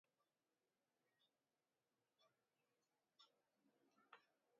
Zuek ados zaudete, ala aurreiritziak dira?